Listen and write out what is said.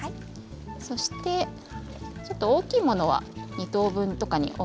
そして、ちょっと大きいものは２等分とかに。